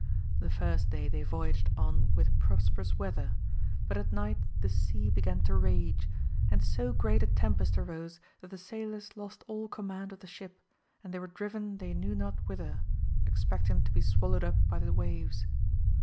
The first day they voyaged on with prosperous weather, but at night the sea began to rage, and so great a tempest arose that the sailors lost all command of the ship and they were driven they knew not whither, expecting to be swallowed up by the waves.